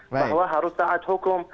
bahwa harus saat hukum